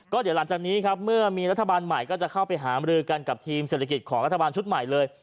ก็เดี๋ยวหลังจากนี้ครับเมื่อมีรัฐบาลใหม่ก็จะเข้าไปหามรือกันกับทีมเศรษฐกิจของรัฐบาลชุดใหม่เลย